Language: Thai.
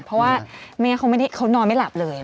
เพราะว่าแม่เขานอนไม่หลับเลย